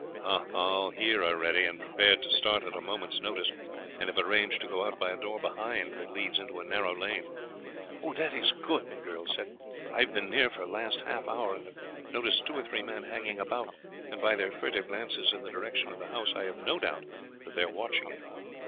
"All here are ready and prepared to start at a moment's notice, and have arranged to go out by a door behind, that leads into a narrow lane." "That is good!" the girl said. "I have been near for the last half hour and have noticed two or three men hanging about, and by their furtive glances in the direction of the house I have no doubt that they are watching it.